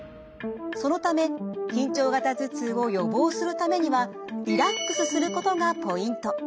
そのため緊張型頭痛を予防するためにはリラックスすることがポイント。